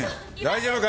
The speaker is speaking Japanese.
大丈夫？